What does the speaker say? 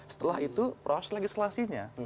setelah itu proses legislasinya